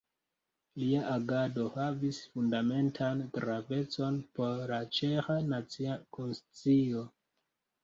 Lia agado havis fundamentan gravecon por la ĉeĥa nacia konscio.